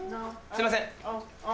すいません